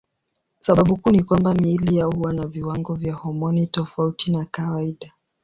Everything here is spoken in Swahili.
Sababu kuu ni kwamba miili yao huwa na viwango vya homoni tofauti na kawaida.